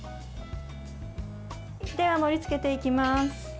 では、盛りつけていきます。